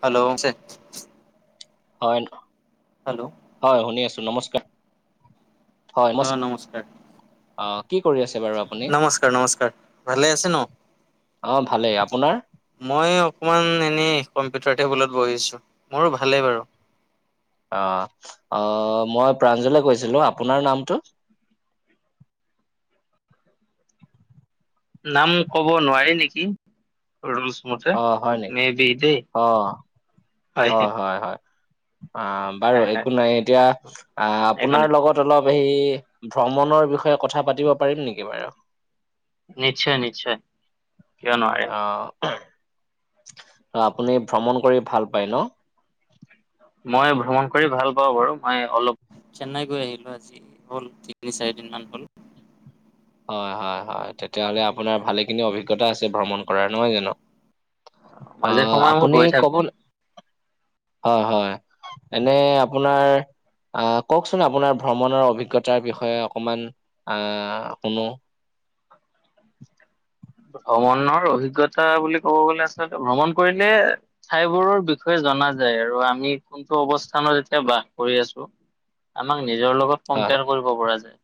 Hello শুনিছে? হয়। Hello. হয় শুনি আছো নমস্কাৰ। অ নমস্কাৰ, আহ কি কৰি আছে বাৰু আপুনি নমস্কাৰ, নমস্কাৰ, ভালে আছে ন? অ ভালেই। আপোনাৰ? মই অকমান এনেই কম্পিউটাৰ টেবুলত বহিছো। মোৰো ভালেই বাৰু। অ অ মই প্ৰাঞ্জলে কৈছিলো। আপোনাৰ নামটো? নাম ক'ব নোৱাৰি নেকি। ৰলছ মতে অ হয় নি মে বি দেই। অ হয় হয় হয় অ বাৰু হয় হয় একো নাই এতিয়া আহ একো আপোনাৰ নাই লগত অলপ হে ভ্ৰমণৰ বিষয়ে কথা পাতিব পাৰিম নেকি বাৰু? নিশ্চয় নিশ্চয় কিয় নোৱাৰে। অ আপুনি ভ্ৰমণ কৰি ভাল পায় ন? মই ভ্ৰমণ কৰি ভাল পাওঁ বাৰু, মই অলপ চেন্নাই গৈ আহিলো আজি। হ'ল তিনি চাৰিদিন মান হ'ল। হয় হয় হয় তেতিয়াহ'লে আপোনাৰ ভালেখিনি অভিজ্ঞতা আছে ভ্ৰমণ কৰাৰ নহয় জানো। অ মাজে সময়ে মই আপুনি গৈ কব থাকো হয় হয়। এনে আপোনাৰ আহ কওকচোন আপোনাৰ ভ্ৰমণৰ অভিজ্ঞতাৰ বিষয়ে অকমান আহ শুনো। ভ্ৰমণৰ অভিগতা বুলি ক'ব গলে আচলতে ভ্ৰমণ কৰিলে ঠাইবোৰৰ বিষয়ে জনা যায় আৰু আমি কোনটো অৱস্থানত এতিয়া বাস কৰি আছো। আমাক নিজৰ লগত হয় কম্পেয়াৰ কৰিব পৰা যায়।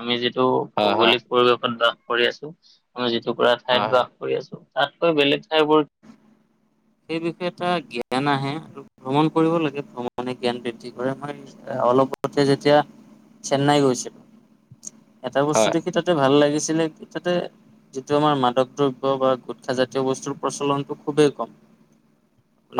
আমি যিটো হয় হয় ভৌগলিক পৰিৱেশত বাস কৰি আছো, আমি যিটুকুৰা হয় ঠাইত বাস আছো তাতকৈ বেলেগ ঠাইবোৰ সেই বিষয়ে এটা জ্ঞান আহে। ভ্ৰমণ কৰিব লাগে ভ্ৰমণে জ্ঞান বৃদ্ধি কৰে, মই অলপতে যেতিয়া চেন্নাই গৈছিলো। এটা বস্তু হয় দেখি তাতে ভাল লাগিছিলে কি তাতে এইটো আমাৰ মাদক দ্ৰব্য বা গোটখা জাতীয় বস্তুৰ প্ৰচলনটো খুবেই কম।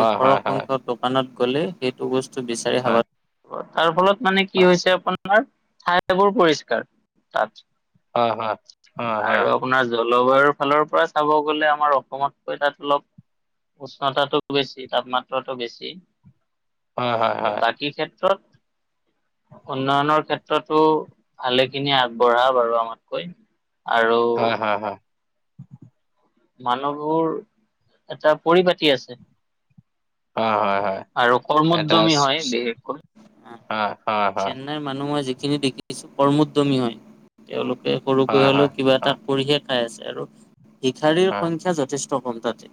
হয় হয় হয় দোকানত গলে সেইটো বস্তু বিচাৰে হয় [unintelligible] মানে কি হৈছে আপোনাৰ ঠাইবোৰ পৰিষ্কাৰ তাত। হয় হয় হয় আৰু হয়। আপোনাৰ জলবায়ুৰ ফালৰ পৰা চাব গ'লে আমাৰ অসমতকৈ তাত অলপ উষ্ণতাটো বেছি তাপমাত্ৰাটো বেছি। হয় হয় বাকী ক্ষেত্ৰত উন্নয়নৰ ক্ষেত্ৰতো ভালেখিনি আগবঢ়া বাৰু আমাতকৈ। আৰু হয় হয় হয় মানুহবোৰ এটা পৰিপাটি আছে। হয় হয় হয় আৰু এটা কৰ্মদ্যমী চ- হয় চ- বিশেষকৈ হয় হয় হয় চেন নাই মানুহ মই যিখিনি দেখিছো কৰ্মোদ্যমী হয়। তেওঁলোকে হয় সৰুকৈ হয় হ'লেও কিবা হয় এটা কৰি হে খাই আছে আৰু। ক্ষাৰীৰ সংখ্যা যথেষ্ট কম তাতে,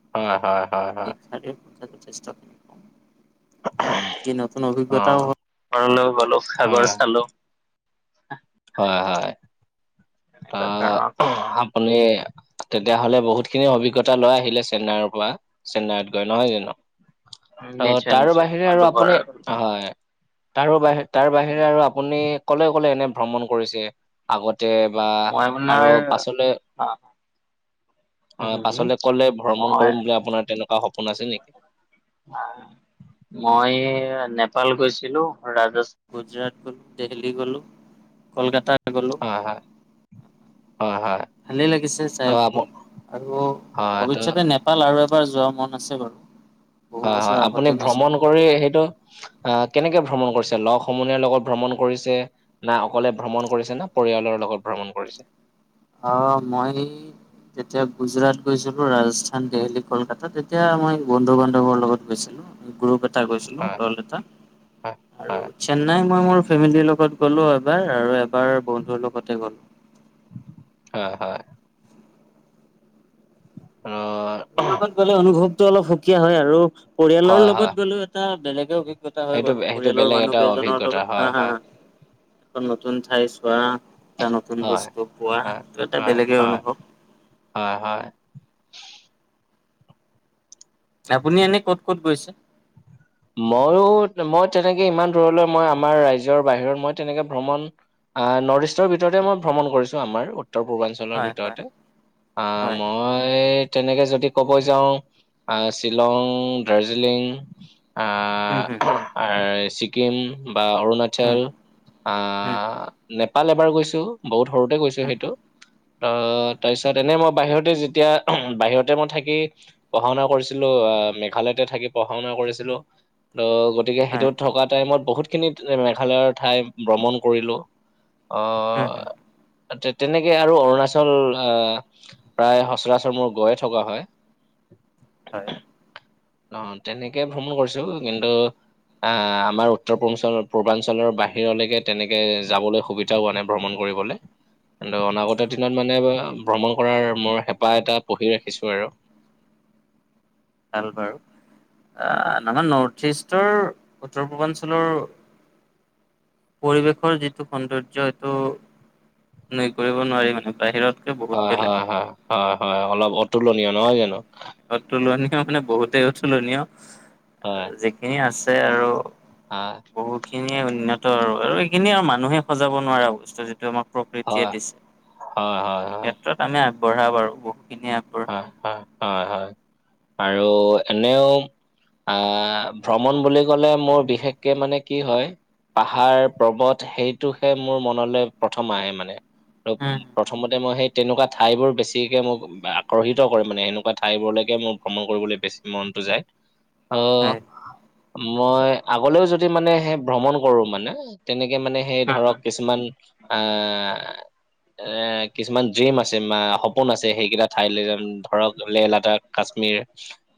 হয় হয় হয় হয় ভিক্ষাৰীৰ [unintelligible] কি নতুন অ অভিজ্ঞতাও হ'ল, ঘৰলৈ গ'লো, সাগৰ চালো। হয়-হয়, এনেকুৱা ত' ধৰণৰ কথা। আপুনি তেতিয়াহ'লে বহুতখিনি অভিজ্ঞতা লৈ আহিলে চেন্নাইৰ পৰা চেন্নাইত গৈ, নহয় জানো? অ নিশ্চয় তাৰো নিশ্চয় বাহিৰে মই আৰু দুবাৰ আপুনি, গলো হয়। তাৰো বাহি তাৰ বাহিৰে আৰু আপুনি কলে-কলে এনে ভ্ৰমণ কৰিছে? আগতে বা মই আপোনাৰ আৰু পাছলে অ' হম হয় হম হম পাছলে কলে ভ্ৰমণ মই কৰিম বুলি আপোনাৰ তেনেকুৱা সপোন আছিল নেকি? আহ [inaudible] মই নেপাল গৈছিলো, ৰাজছ, গুজৰাট গ'লো, দেহিলি গ'লো। কলকাতাত গ'লো। হয়- হয়, হয়-হয়। ভালেই লাগিছে চাইবোৰ আৰু হয় ত ভৱিষ্যতে নেপাল আৰু এবাৰ যোৱা মন আছে বাৰু। বহু হয়, বছৰ হয় আপুনি আগতে গৈছিলো ভ্ৰমণ কৰি সেইটো আহ কেনেকে ভ্ৰমণ কৰিছে? লগ সমনীয়াৰ লগত ভ্ৰমণ কৰিছে না অকলে ভ্ৰমণ কৰিছে, না পৰিয়ালৰ লগত ভ্ৰমণ কৰিছে? অ মই তেতিয়া গুজৰাট গৈছিলোঁ, ৰাজস্থান, দেল্হী, কলকাত তেতিয়া মই বন্ধু-বান্ধৱৰ লগত গৈছিলোঁ। গ্ৰুপ এটা গৈছিলো হয় দল এটা হয় আৰু হয় চেন্নাই মই মোৰ ফেমিলিৰ লগত গ'লো এবাৰ আৰু এবাৰ বন্ধুৰ লগতে গ'লো। হয়, হয়। [unintelligible] লগত গলে অনুভৱটো অলপ সুকীয়া হয় আৰু পৰিয়ালৰ হয় হয় লগত গ'লেও এটা বেলেগে অভিজ্ঞ গতা হয় সেইটো বাৰু সেইটো পৰিয়ালৰ বেলেগ মানুহ এটা কেইজনৰ অভিজ্ঞতা লগত, হয় হয় হা-হা-হা। আকৌ নতুন ঠাই চোৱা এটা নতুন হয় বস্তু পোৱা হয়, ত' এটা হয়, বেলেগে হয়, অনুভৱ। হয়, হয়। আপুনি এনে ক'ত ক'ত গৈছে? ময়ো মই তেনেকে ইমান দূৰলৈ মই আমাৰ ৰাইজৰ বাহিৰত মই তেনেকে ভ্ৰমণ নৰ্থ-ইষ্টৰ ভিতৰতে মই ভ্ৰমণ কৰিছোঁ আমাৰ উত্তৰ পূৰ্বাঞ্চলৰ হয় হয় ভিতৰতে। অ হয় মই মই তেনেকে যদি ক'ব যাওঁ শ্বিলং, দাৰ্জিলিং উম হুম আহ আৰ ছিকিম। বা অৰুণাচল উম হুম আহ নেপাল এবাৰ গৈছো। বহুত সৰুতে গৈছো হুম সেইটো। হুম ত' তাৰপিছত এনেই মই বাহিৰতে যেতিয়া বাহিৰতে মই থাকি পঢ়া-শুনা কৰিছিলোঁ মেঘালয়তে থাকি পঢ়া-শুনা কৰিছিলোঁ। ত গতিকে সেইটো হয় থকা টাইমত বহুতখিনি মেঘালয়ৰ ঠাই ভ্ৰমণ কৰিলো। অ। উম হুম তেনেকে আৰু অৰুণাচল আহ প্ৰায় সচৰাচৰ মোৰ গৈয়ে থকা হয়। হয়। অ তেনেকে ভ্ৰমণ কৰিছো কিন্তু। আহ আমাৰ উত্তৰ পূৰ্বঞ্চল-পূৰ্বাঞ্চলৰ বাহিৰলৈকে তেনেকে যাবলৈ সুবি [unintelligible] নাই ভ্ৰমণ কৰিবলে। কিন্তু অনাগত দিনত মানে ভ্ৰমণ কৰাৰ মোৰ হেঁপাহ এটা পহি ৰাখিছোঁ আৰু। ভাল বাৰু। অ আমাৰ নৰ্থ-ইষ্টৰ উত্তৰ পূৰ্বাঞ্চলৰ পৰিৱেশৰ যিটো সৌন্দৰ্য এইটো- নই কৰিব নোৱাৰি মানে বাহিৰত। হয়, হয়, হয়, হয়, হয় অলপ অতুলনীয় নহয় জানো। অতুলনীয় মানে বহুতেই অতুলনীয় আৰু যিখিনি আছে আৰু। অঁ। বহুতখিনিয়ে উন্নত আৰু এইখিনিয়েই আৰু মানুহে সজাব নোৱাৰা বস্তু যিটো আমাক। প্ৰকৃতিয়ে হয়, দিছে, হয়, হয়, এই হয়, ক্ষেত্ৰত আমি আগবঢ়া পাৰো বহুখিনি আগবঢ়ায় বাৰু। হয়, হয়, হয় আৰু এনেও। আহ ভ্ৰমণ বুলি ক'লে মোৰ বিশেষকে মানে কি হয়। পাহাৰ পৰ্বত সেইটোহে মোৰ মনলৈ প্ৰথম আহে মানে। আৰু প্ৰথমতে মই সেই তেনেকুৱা ঠাইবোৰ বেছিকে মোক- আকৰ্ষিত কৰে মানে সেনেকুৱা ঠাইবোৰলৈকে মোৰ ভ্ৰমণ কৰিবলৈ বেছি মনতটো যায়। অ, হয়। মই আগলেও যদি মানে সেই ভ্ৰমণ কৰো মানে। তেনেকে মানে সেই ধৰক কিছুমান আ এ কিছুমান। ড্ৰিম আছে বা সপোন আছে সেইকেইটা ঠাইলৈ ধৰক লেহ লাডাখ, কাশ্মীৰ-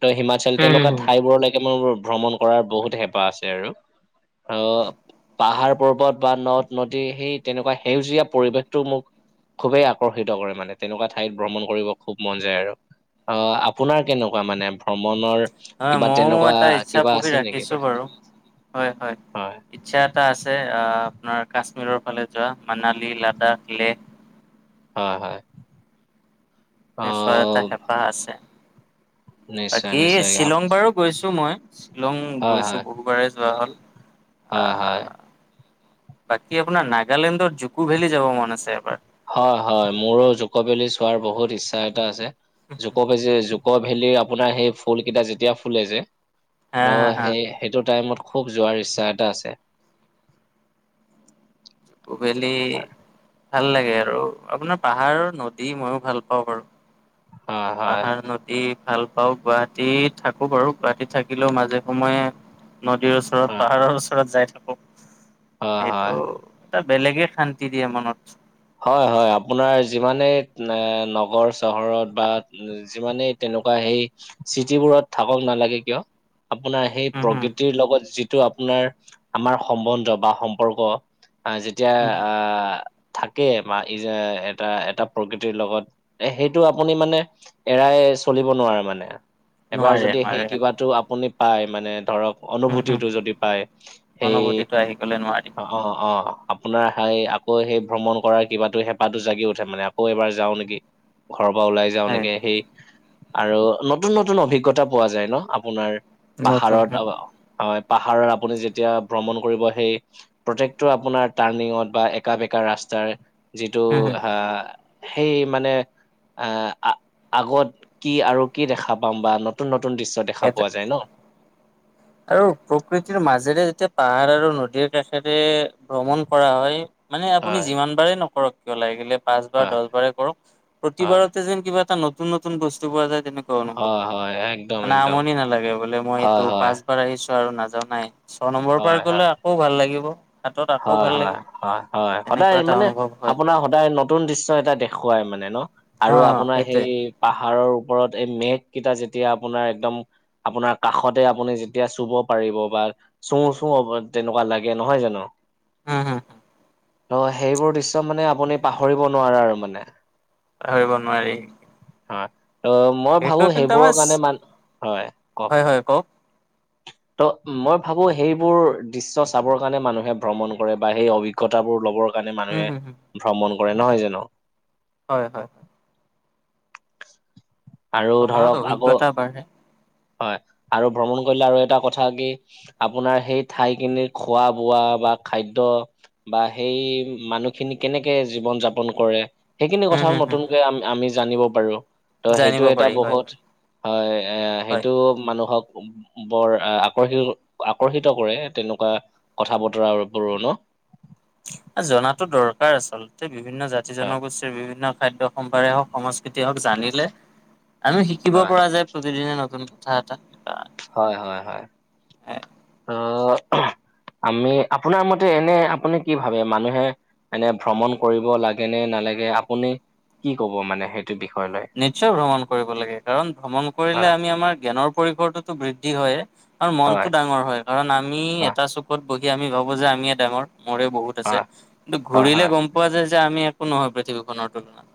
ত হিমাচল তেনেকোৱা উম। ঠাইবোৰলৈকে মোৰ ভ্ৰমণ কৰাৰ বহুত হেঁপাহ আছে আৰু। অ পাহাৰ পৰ্বত বা নদ নদী সেই তেনেকোৱা সেউজীয়া পৰিৱেশটো মোক- খুবেই আকৰ্ষিত কৰে মানে তেনেকোৱা ঠাইত ভ্ৰমণ কৰিব। খুব মন যায় আৰু, অঁ আপোনাৰ কেনেকোৱা মানে ভ্ৰমণৰ। হয় কিবা ময়ো তেনেকুৱা এটা ইচ্ছা কিবা পুহি আছে নেকি ৰাখিছো বাৰু হয় হয়। ইচ্ছা এটা আছে আপোনাৰ কাশ্মীৰৰ ফালে যোৱা মানালী লাডাখ লেখ। হয়, হয়। চোৱাৰ এটা অ', হেঁপাহ আছে, নিশ্চয় বাকী নিশ্চয় আপ- শ্বিলং বাৰো গৈছো মই। শ্বিলং হয় গৈছোঁ হয় বহুবাৰে যোৱা হ'ল অ। হয় হয়। বাকী আপোনাৰ নাগালেণ্ডৰ জুকু ভেলী যাব মন আছে এবাৰ। হয়, হয় মোৰো জুকো বেলি চোৱাৰ বহুত ইচ্ছা এটা আছে, জুকো বেলি জু- জকো ভেলিৰ আপোনাৰ সেই ফুল কেইটা যেতিয়া ফুলে যে হা হা অঁ হা। সেই। সেইটো টাইমত খুব যোৱাৰ ইচ্ছা এটা আছে। জকুভেলি হয় ভাল লাগে আৰু আপোনাৰ পাহাৰ নদী মইও ভাল পাওঁ বাৰু। হয় হয় পাহাৰ নদী ভাল পাও গুৱাহাটী থাকো বাৰু গুৱাহাটীত থাকিলেও মাজে সময়ে। নদীৰ ওচৰত হয় পাহাৰৰ ওচৰত যাই থাকো। হয়। হয়। সেইটো- এটা বেলেগে শান্তি দিয়ে মনত। হয় হয় আপোনাৰ যিমানে এ নগৰ চহৰত বা- যিমানেই তেনেকোৱা সেই চিটিবোৰত থাকক নালাগে কিয়? আপোনাৰ সেই উম হুম প্ৰকৃতিৰ লগত যি- টো আপোনাৰ আমাৰ সম্বন্ধ বা সম্পৰ্ক যেতিয়া উম হুম আহ- থাকে বা ই যে এটা এটা প্ৰকৃতিৰ লগত এ সেইটো আপুনি মানে- এৰাই চলিব নোৱাৰে মানে এবাৰ নোৱাৰে যদি সেই নোৱাৰে কিবাটো আপুনি পাই মানে ধৰক। হুম হুম অনুভূতিটো যদি পায় সেই- অনুভূতিটো আহি গ'লে নোৱাৰি অঁ অ', অ', আপোনাৰ হেই আকৌ সেই ভ্ৰমণ কৰাৰ কিবাতো হেপাতো জাগি উঠে মানে আকৌ এবাৰ যাও নেকি ঘৰৰ পৰা ওলাই। যাওঁ হয় নেকি সেই আৰু নতুন -নতুন অভিজ্ঞতা পোৱা যায় ন' আপোনাৰ নতুন পাহাৰত [unintelligible] হয় পাহাৰত আপুনি যেতিয়া ভ্ৰমণ কৰিব সেই প্ৰত্যেকটো আপোনাৰ টাৰ্ণিঙত বা একা -বেকা ৰাস্তাৰ যিটো হম হম হা সেই মানে- আহ আগত কি আৰু কি দেখা পাম বা নতুন নতুন দৃশ্য দেখা এটা পোৱা যায় ন। আৰু প্ৰকৃতিৰ মাজেৰে যেতিয়া পাহাৰ আৰু নদীৰ কাষেৰে ভ্ৰমণ কৰা হয়। মানে আপুনি হয়। যিমান বাৰে নকৰক কিয় লাগিলে পাঁচ বাৰ হয় দহ বাৰে কৰক, হয় প্ৰতিবাৰত- যেন কিবা এটা নতুন নতুন বস্তু পোৱা যায় তেনেকা। হয় [unintelligible] হয় একদম মানে একদম আমনি নালাগে বোলে মই এইটো হয় হয় পাচ পাৰা আহিছো আৰু নাজাও নাই ছ নম্বৰ পাৰ কৰিলে আকৌ ভাল লাগিব। হাতত আকৌ ভাল লাগিব হয়-হয়- হয়- হয় তেনেকুৱা সদায় এটা মানে অনুভৱ হয় আপোনাৰ সদায় ন নতুন দৃশ্য এটা দেখুৱাই মানে ন' অ আৰু আপোনাৰ সেইটোৱে হেই পাহাৰৰ ওপৰত এই মেঘ কেইটা যেতিয়া আপোনাৰ একদম আপোনাৰ কাষতে আপুনি যেতিয়া চুব পাৰিব বা চুও -চুও অব তেনেকোৱা লাগে নহয় জানো? উম, হম ত'সেইবোৰ দৃশ্য মানে আপুনি পাহৰিব নোৱাৰে আৰু মানে। পাহৰিব নোৱাৰি। হয় ত' মই ভাবো বিশেষকৈ কিন্তু সেইবোৰৰ আমাৰ কাৰণে মান হয় ক'ক? হয় হয় কওক ত' মই ভাবো সেইবোৰ দৃশ্য চাবৰ কাৰণে মানুহে ভ্ৰমণ কৰে বা সেই অভিজ্ঞতাবোৰ লবৰ কাৰণে উম মানুহে হম হম ভ্ৰমণ কৰে নহয় জানো? হয়- হয় আৰু ভ্ৰমণত ধৰক আকৌ অভিজ্ঞতা বাঢ়ে হয় আৰু ভ্ৰমণ কৰিলে আৰু এটা কথা কি আপোনাৰ সেই ঠাইখিনিৰ খোৱা -বোৱা বা খাদ্য বা সেই মানুহখিনি কেনেকে জীৱন যাপন কৰে সেইখিনি উম কথাও হম হম নতুনকে আম-আমি জানিব পাৰো ত ' সেইটো জানিব এটা পাৰি হয় বহুত হয়। হয় এ সেইটো হয় মানুহক বৰ আকৰ্ষিত -আকৰ্ষিত কৰে তেনেকুৱা কথা বতৰা বোৰো ন? এ জনাতো দৰকাৰ আচলতে বিভিন্ন জাতি- হয় জনগোষ্ঠীৰ বিভিন্ন খাদ্য সম্পাৰে হওক, সংস্কৃতিয় হওক, জানিলে আমি শিকিব হয় পৰা যে প্ৰতিদিনে নতুন কথা এটা হয়- হয়-হয় [unintelligible] আমি আপোনাৰ মতে এনে আপুনি কি ভাবে মানুহে এনে ভ্ৰমণ কৰিব লাগে নে নালাগে আপুনি কি ক'ব মানে সেইট এইটো বিষয় লয়। নিশ্চয় ভ্ৰমণ কৰিব লাগে কাৰণ ভ্ৰমণ কৰিলে হয় আমি আমাৰ জ্ঞানৰ পৰিসৰটোতো বৃদ্ধি হয়ে আৰু হয় মনটো ডাঙৰ হয় কাৰণ আমি হয় এটা চুকত বহি আমি ভাবো যে আমিয়ে ডাঙৰ মোৰে বহুত [unintelligible] হয় কিন্তু হয় ঘূৰিলে গম পোৱা যায় যে আমি একো নহয় পৃথিৱীখনৰ তুলনাত।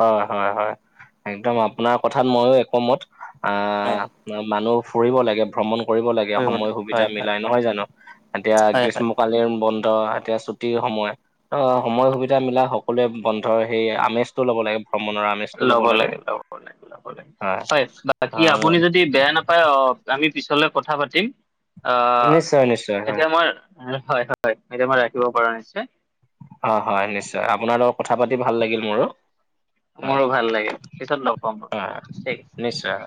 অহ, হয় -হয় একদম আপোনাৰ কথাত ময়ো একমত হয় আহ, মানুহ ফুৰিব লাগে, ভ্ৰমণ কৰিব লাগে ফুৰিবলৈ সময় সুবিধা হয় হয় মিলাই নহয় জানো এতিয়া হয় হয়। গ্ৰীষ্ম কালীন বন্ধ এতিয়া ছুটিৰ সময় অ, সময় সুবিধা মিলাই সকলোৱে বন্ধৰ সেই আমেজটো লব লাগে ভ্ৰমণৰ আম ল'ব লাগে -ল'ব লাগে -ল'ব লাগে হয় অ বাকী আপুনি যদি তি বেয়া নাপায় অ, আমি পিছলৈ কথা পাতিম আহ, নিশ্চয় নিশ্চয় হয় এতিয়া মই [unintelligible] হয়- হয় এতিয়া মই ৰাখিব পাৰো‌‌ নিশ্চয়? হয় -হয় নিশ্চয় আপোনাৰ লগত কথা পাতি ভাল লাগিল মোৰো। মোৰো ভাল লাগিল পিছত লগ পাম বাৰু ঠিক আছে [unintelligible] নিশ্চয় হয়।